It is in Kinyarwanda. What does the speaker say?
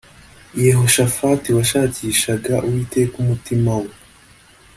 yehoshafati washakishaga uwiteka umutima we